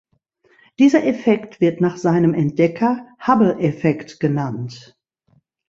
Dieser Effekt wird nach seinem Entdecker Hubble-Effekt genannt.